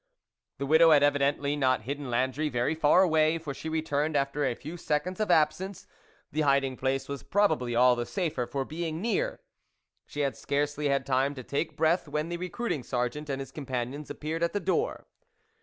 The widow had evidently not hidden Landry very far away, for she returned after a few seconds of absence ; the hiding place was probably all the safer for being near. She had scarcely had time to take breath when the recruiting sergeant and his companions appeared at the door.